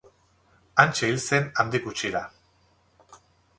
Hantxe hil zen handik gutxira.